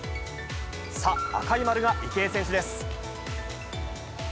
さあ、赤い丸が池江選手です。